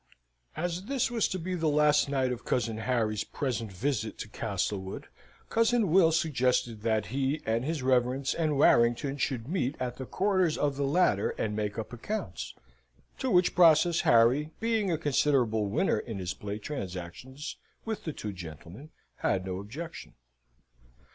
As this was to be the last night of cousin Harry's present visit to Castlewood, cousin Will suggested that he, and his reverence, and Warrington should meet at the quarters of the latter and make up accounts, to which process, Harry, being a considerable winner in his play transactions with the two gentlemen, had no objection.